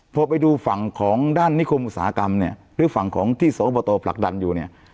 พอไปดูฝั่งของด้านนิคมอุตสาหกรรมเนี่ยหรือฝั่งของที่สอบตผลักดันอยู่เนี่ย